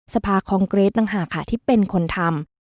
สภาคองเกรทต่างหากค่ะที่เป็นคนทำ